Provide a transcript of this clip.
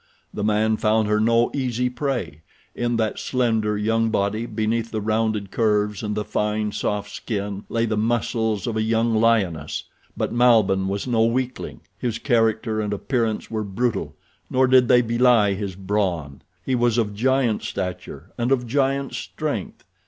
The man found her no easy prey. In that slender, young body, beneath the rounded curves and the fine, soft skin, lay the muscles of a young lioness. But Malbihn was no weakling. His character and appearance were brutal, nor did they belie his brawn. He was of giant stature and of giant strength.